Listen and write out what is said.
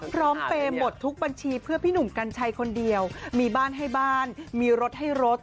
เปย์หมดทุกบัญชีเพื่อพี่หนุ่มกัญชัยคนเดียวมีบ้านให้บ้านมีรถให้รถ